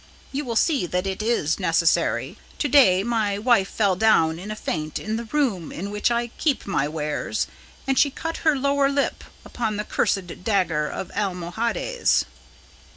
"You will see that it is necessary. Today my wife fell down in a faint in the room in which I keep my wares, and she cut her lower lip upon this cursed dagger of Almohades."